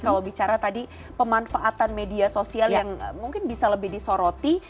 kalau bicara tadi pemanfaatan media sosial yang mungkin bisa lebih disoroti